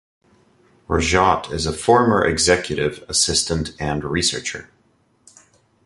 Rajotte is a former executive assistant and researcher.